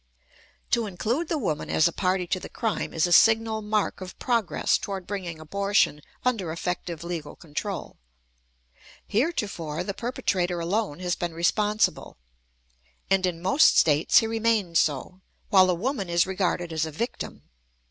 To include the woman as a party to the crime is a signal mark of progress toward bringing abortion under effective legal control. Heretofore, the perpetrator alone has been responsible, and in most States he remains so, while the woman is regarded as a victim.